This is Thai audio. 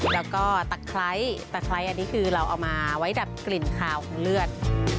แล้วก็ตะไคร้ตะไคร้อันนี้คือเราเอามาไว้ดับกลิ่นคาวของเลือด